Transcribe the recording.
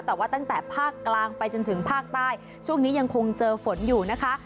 แต่ว่าตั้งแต่ภาคกลางไปจนถึงภาคใต้ช่วงนี้ยังคงเจอฝนอยู่นะคะ